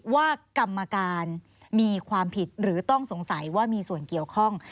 ว่ากรรมการมีความผิดหรือต้องสงสัยว่ามีส่วนเกี่ยวข้อง